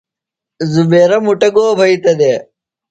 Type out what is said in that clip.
زبیرہ مُٹہ گو بھئِتہ دےۡ؟